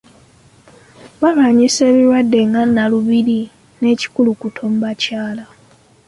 Balwanyisa ebirwadde nga Nnalubiri n'ekikulukuto mu bakyala.